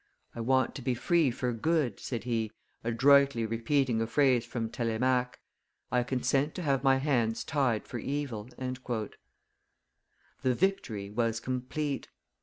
"I want to be free for good," said he, adroitly repeating a phrase from Telemaque, "I consent to have my hands tied for evil." The victory was complete.